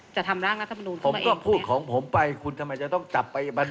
สถานการณ์จะไม่ไปจนถึงขั้นนั้นครับแต่ก็ยังเชื่อว่า